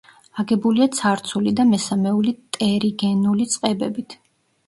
აგებულია ცარცული და მესამეული ტერიგენული წყებებით.